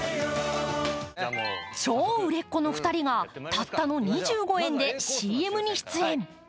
超売れっ子の２人がたったの２５円でＣＭに出演。